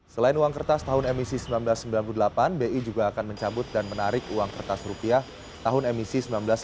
selain uang kertas tahun emisi seribu sembilan ratus sembilan puluh delapan bi juga akan mencabut dan menarik uang kertas rupiah tahun emisi seribu sembilan ratus sembilan puluh